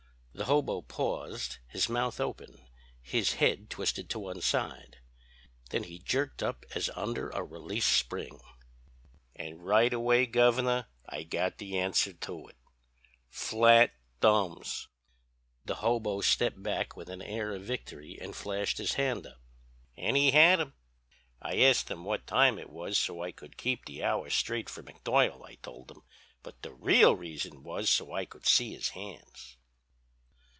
"The hobo paused, his mouth open, his head twisted to one side. Then he jerked up as under a released spring. "'And right away, Governor, I got the answer to it flat thumbs!' "The hobo stepped back with an air of victory and flashed his hand up. "'And he had 'em! I asked him what time it was so I could keep the hour straight for McDuyal, I told him, but the real reason was so I could see his hands.'"